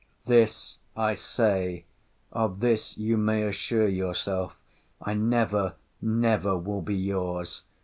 'This I say, of this you may assure yourself, I never, never will be your's.